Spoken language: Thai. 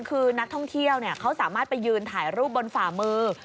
คือนักท่องเที่ยวเขาสามารถไปยืนถ่ายรูปบนฝ่ามือ